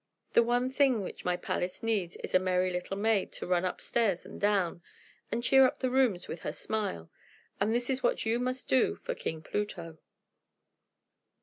The one thing which my palace needs is a merry little maid, to run up stairs and down, and cheer up the rooms with her smile. And this is what you must do for King Pluto."